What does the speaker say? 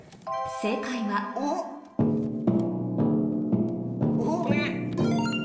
正解はお！